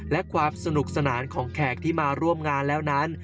และความสนุกสนานของแขกที่มาร่วมงานแล้วนั้น